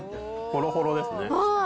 ほろほろですね。